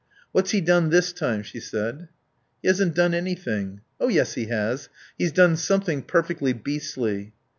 "What's he done this time?" she said. "He hasn't done anything." "Oh yes, he has. He's done something perfectly beastly."